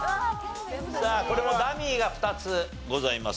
これもダミーが２つございますのでね。